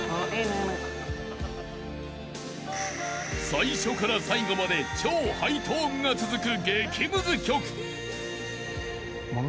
［最初から最後まで超ハイトーンが続く激ムズ曲］